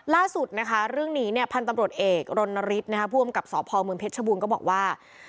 ล่าสุดนะคะเรื่องนี้เนี่ยพันธุ์ตำรวจเอกรณฤทธิ์ผู้อำกับสพเมืองเพชรชบูรณ์ก็บอกว่า